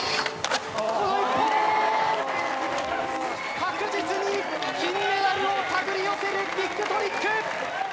確実に金メダルを手繰り寄せるビッグトリック。